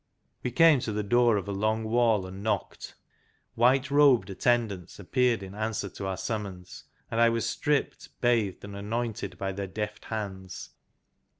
We came to the door of a long wall, and knocked. White robed attendants appeared in answer to our summons, and I was stripped, bathed, and anointed by their deft hands.